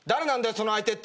その相手って。